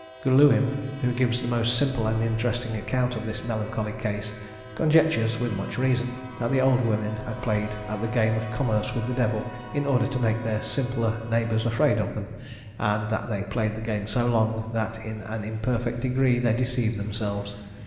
Guluim, who gives the most simple and interesting account of this melancholy case, conjectures, with much reason, that the old women had played at the game of commerce with the Devil, in order to make their simpler neighbours afraid of them; and that they played the game so long, that in an imperfect degree they deceived themselves.